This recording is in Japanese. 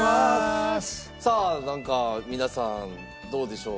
さあなんか皆さんどうでしょう？